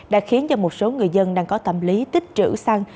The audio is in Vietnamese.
đã khiến cho một số người dân đang có tâm lý tích trữ xăng